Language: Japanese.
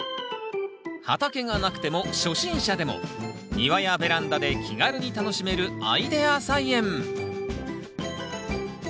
畑がなくても初心者でも庭やベランダで気軽に楽しめるアイデア菜園。